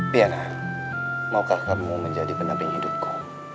tiana maukah kamu menjadi penamping hidupku